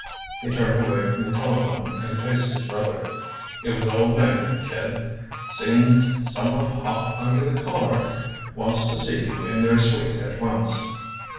He turned away from the telephone and faced his brother. "It was old Meyrick, kid. Seemed somewhat hot under the collar. Wants to see you in their suite at once."